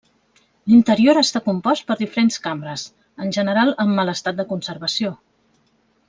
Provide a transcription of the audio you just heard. L'interior està compost per diferents cambres, en general en mal estat de conservació.